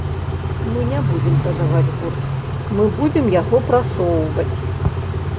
Мы не будзем прадаваць гурт, мы будзем яго прасоўваць.